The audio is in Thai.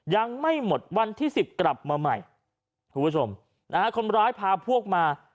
ยังไม่หมดวันที่สิบกลับมาใหม่คุณผู้ชมนะฮะคนร้ายพาพวกมา